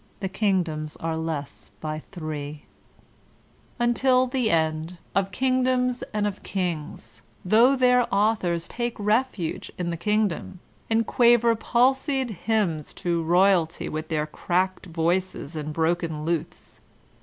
The kingdoms are less by three " until the end "of kingdoms and of kings/* though their authors ''take refuge in the kingdom'' and quaver palsied hymns to royalty with their cracked voices and broken lutes.